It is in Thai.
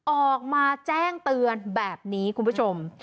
ออกมาแจ้งเตือนแบบนี้คุณผู้ชม